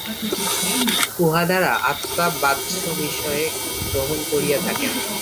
উহা দ্বারা আত্মা বাহ্য বিষয় গ্রহণ করিয়া থাকেন।